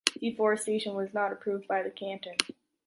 Deforestation was not approved by the Canton.